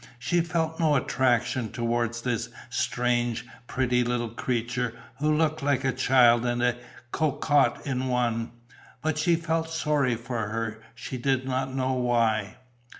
She felt no attraction towards this strange, pretty little creature, who looked like a child and a cocotte in one; but she felt sorry for her, she did not know why.